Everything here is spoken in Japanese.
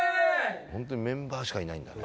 ホントにメンバーしかいないんだね。